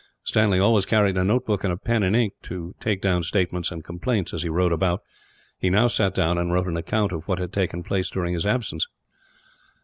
Stanley always carried a notebook and pen and ink, to take down statements and complaints, as he rode about. He now sat down and wrote an account of what had taken place during his absence.